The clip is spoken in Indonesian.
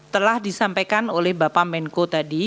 telah disampaikan oleh bapak menko tadi